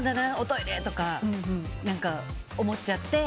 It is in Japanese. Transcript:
トイレ、とか思っちゃって。